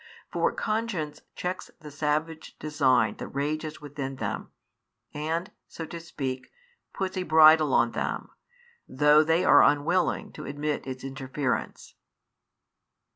For conscience checks the savage design that rages within them, and (so to speak) puts a bridle on them, though they are unwilling to admit its interference.